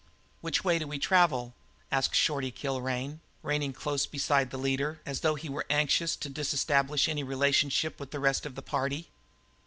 "Which way do we travel?" asked Shorty Kilrain, reining close beside the leader, as though he were anxious to disestablish any relationship with the rest of the party.